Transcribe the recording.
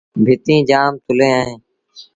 ڀتيٚن جآم ٿُلين اهيݩ۔